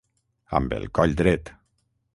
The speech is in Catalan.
Amb el coll dret.